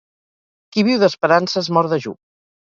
Qui viu d'esperances mor dejú.